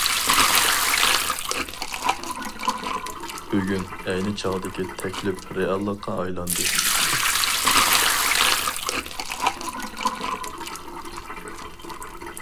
بۈگۈن ئەينى چاغدىكى تەكلىپ رېئاللىققا ئايلاندى.